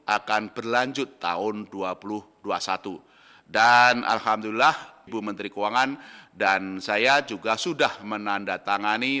akan berlanjut tahun dua ribu dua puluh satu dan alhamdulillah bu menteri keuangan dan saya juga sudah menandatangani